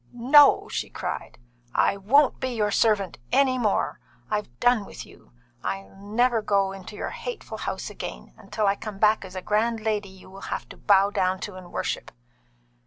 "No!" she cried, "I won't be your servant any more! I've done with you. I will never go into your hateful house again, until I come back as a grand lady you will have to bow down to and worship."